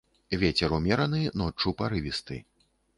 Вецер ўмераны, ноччу парывісты.